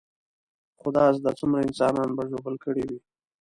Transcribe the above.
خدا زده څومره انسانان به ژوبل کړي وي.